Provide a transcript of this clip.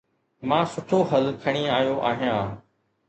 مان سٺو حل کڻي آيو آهيان